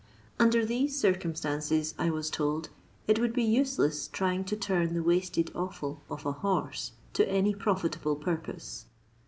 Under these circum stances, I was told, it would be useless trying to turn the wasted offiil of a horse to any profitable purpose.